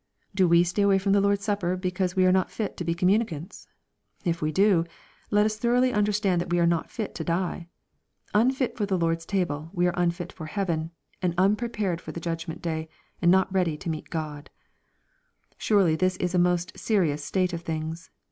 — Do we stay away from the Lord's Supper be cause we are not fit to be communicants ? If we do, let us thoroughly understand that we are not fit to die. Unfit for the Lord's table, we are unfit for heaven, and unprepared for the judgment day, and not ready to meet 13 od 1 Surely this is a most serious state of things.